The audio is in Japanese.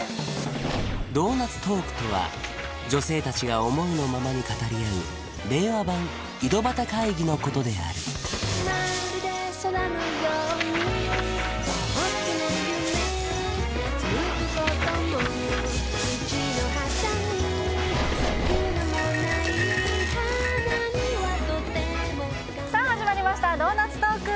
ドーナツトークとは女性達が思いのままに語り合う令和版井戸端会議のことであるさあ始まりました「ドーナツトーク」